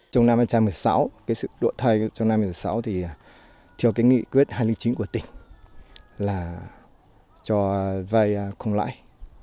trong năm hai nghìn một mươi sáu cái sự đổi thay trong năm hai nghìn một mươi sáu thì theo cái nghị quyết hai trăm linh chín của tỉnh là cho vay không lãi